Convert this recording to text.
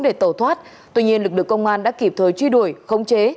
để tẩu thoát tuy nhiên lực lượng công an đã kịp thời truy đuổi khống chế